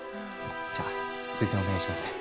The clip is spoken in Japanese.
じゃあ推薦お願いしますね！